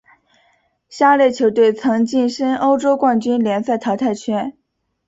下列球队曾晋身欧洲冠军联赛淘汰圈。